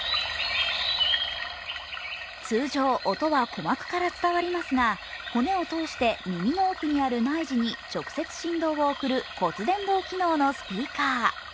通常、男は鼓膜から伝わりますが骨を通して耳の奥にある内耳に直接振動を送る骨伝導機能のスピーカー。